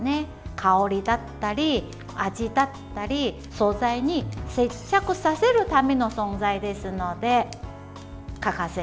香りだったり、味だったり素材に接着させるための存在ですので欠かせない。